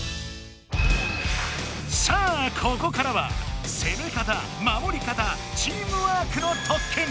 さあここからは攻め方守り方チームワークの特訓！